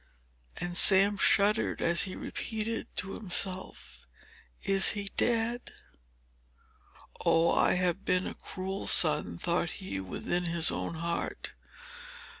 And Sam shuddered, as he repeated to himself: "Is he dead?" "Oh, I have been a cruel son!" thought he, within his own heart.